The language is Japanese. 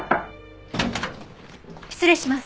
失礼します。